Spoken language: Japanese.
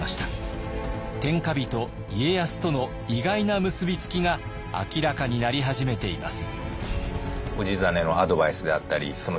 天下人家康との意外な結び付きが明らかになり始めています。